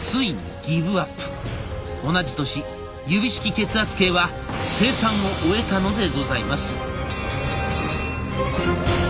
同じ年指式血圧計は生産を終えたのでございます。